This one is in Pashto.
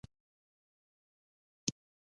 پوهاوی د بند ماتولو کلي ده.